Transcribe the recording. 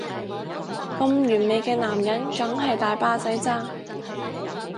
咁完美嘅男人梗係大把仔爭